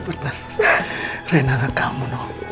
ternyata benar reina anak kamu